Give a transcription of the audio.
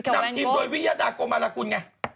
นำทีมโดยวิยดาโกมารกุลไง